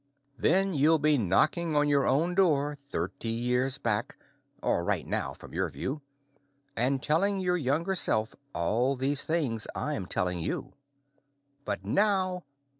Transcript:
Then you'll be knocking on your own door, thirty years back or right now, from your view and telling your younger self all these things I'm telling you. But now....